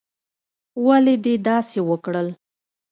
ولې دې داسې وکړل؟